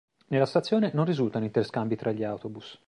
Nella stazione non risultano interscambi tra gli autobus.